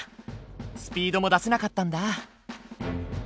スピードも出せなかったんだ。